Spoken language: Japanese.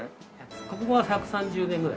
ここは１３０年ぐらい。